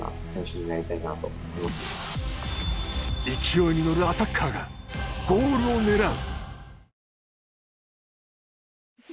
勢いに乗るアタッカーがゴールを狙う。